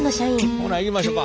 ほないきましょか。